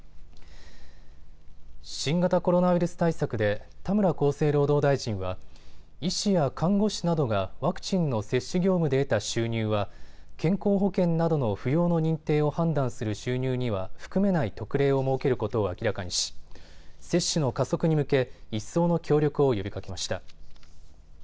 新型コロナウイルス対策で田村厚生労働大臣は、医師や看護師などがワクチンの接種業務で得た収入は健康保険などの扶養の認定を判断する収入には含めない特例を設けることを明らかにし接種の加速に向け、一層の協力を呼びかけました。